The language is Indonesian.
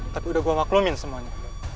tapi udah gue maklumin semuanya